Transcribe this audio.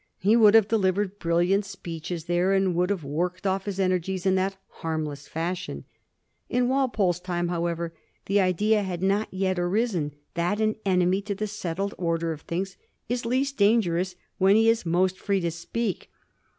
He would have de livered brilliant speeches there, and would have worked off his energies in that harmless fashion. La Walpole's time, however, the idea had not yet arisen that an enemy to the settled order of things is least dangerous where he is most firee to speak.